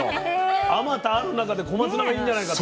あまたある中で小松菜がいいんじゃないかと？